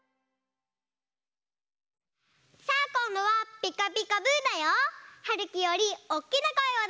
さあこんどは「ピカピカブ！」だよ。はるきよりおっきなこえをだしてね！